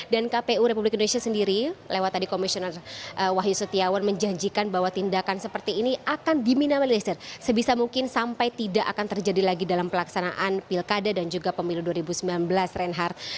dan kpu republik indonesia sendiri lewat tadi komisioner wahyu setiawan menjanjikan bahwa tindakan seperti ini akan diminamilisir sebisa mungkin sampai tidak akan terjadi lagi dalam pelaksanaan pilkada dan juga pemilu dua ribu sembilan belas reinhardt